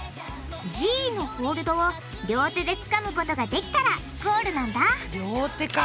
「Ｇ」のホールドを両手でつかむことができたらゴールなんだ両手か。